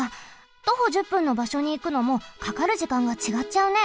徒歩１０分のばしょにいくのもかかる時間がちがっちゃうね。